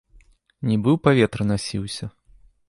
Нібы ў паветры насіўся.